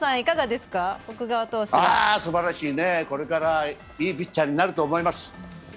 すばらしいね、これからいいピッチャーになると思います。